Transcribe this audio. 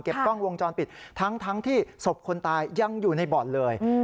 กล้องวงจรปิดทั้งที่ศพคนตายยังอยู่ในบ่อนเลย